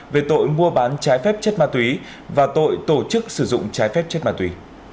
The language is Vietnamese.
về tội mua bán trái phép chất ma túy và tội tổ chức sử dụng trái phép chất ma túy